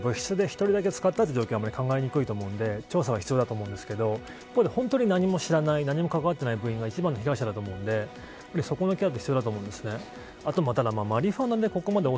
マリファナの性質で考えれば１人だけ使ったという状況は考えにくいと思うので調査は必要だと思うんですけど一方で本当に何もかかわっていない部員が一番の被害者だと思うんでそこのケアは必要だと思うんですね。